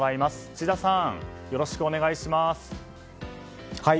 千田さん、よろしくお願いします。